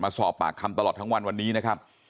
สอบปากคำตลอดทั้งวันวันนี้นะครับ